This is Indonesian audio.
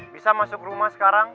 bisa masuk rumah sekarang